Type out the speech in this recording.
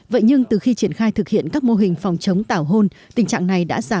vậy nhưng từ khi triển khai thực hiện các mô hình phòng chống tảo hôn tình trạng này đã giảm đi rõ rệt